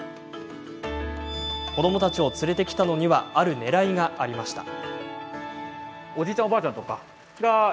子どもたちを連れてきたのにはあるねらいがありました。